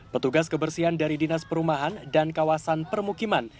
petugas kebersihan dari dinas perumahan dan kawasan permukiman